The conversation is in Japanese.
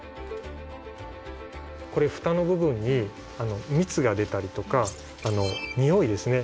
これふたの部分に蜜が出たりとか匂いですね